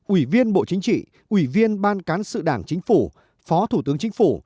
ủy viên bộ chính trị ủy viên ban cán sự đảng chính phủ phó thủ tướng chính phủ